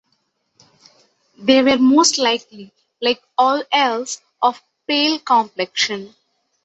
They were most likely, like all Elves, of pale complexion.